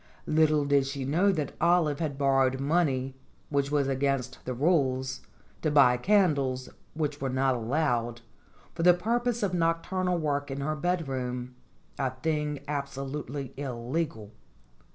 Little did she know that Olive had borrowed money (which was against the rules) to buy candles (which were not allowed) for the purpose of nocturnal work in her bedroom a thing absolutely illegal.